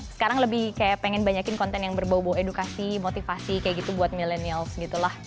sekarang lebih kayak pengen banyakin konten yang berbau bau edukasi motivasi kayak gitu buat millennials gitu lah